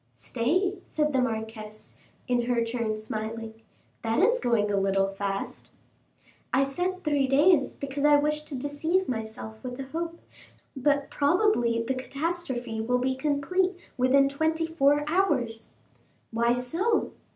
"Stay," said the marquise, in her turn smiling, "that is going a little fast." "I said three days, because I wish to deceive myself with a hope; but probably the catastrophe will be complete within twenty four hours." "Why so?"